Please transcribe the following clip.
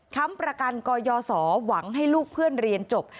ค้ำประกันกยศหวังให้ลูกเพื่อนเรียนจบ